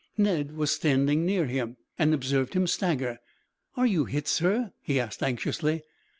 Ned was standing near him, and observed him stagger. "Are you hit, sir?" he asked anxiously.